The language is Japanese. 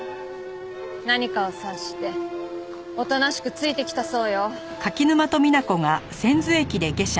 何かを察しておとなしくついて来たそうよ。